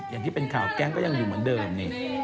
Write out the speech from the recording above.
อย่างที่เป็นข่าวแก๊งก็ยังอยู่เหมือนเดิมนี่